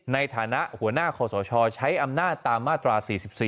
ในฐานะหัวหน้าคอสชใช้อำนาจตามมาตรา๔๔